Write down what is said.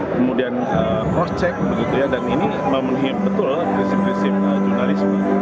kemudian cross check dan ini memenuhi betul prinsip prinsip jurnalisme